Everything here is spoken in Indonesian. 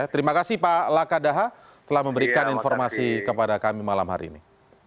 terima kasih pak lakadaha telah memberikan informasi kepada kami malam hari ini